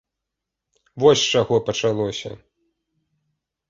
Вось з чаго пачалося.